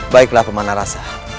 baiklah pemanah rasa